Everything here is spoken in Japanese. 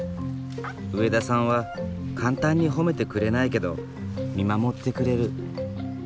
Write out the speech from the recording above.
上田さんは簡単に褒めてくれないけど見守ってくれる。